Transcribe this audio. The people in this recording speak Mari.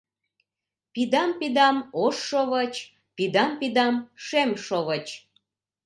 Пидам-пидам - ош шовыч, пидам-пидам - шем шовыч